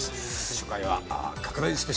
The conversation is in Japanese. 初回は拡大スペシャル。